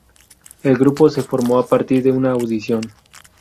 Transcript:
El grupo se formó a partir de una audición.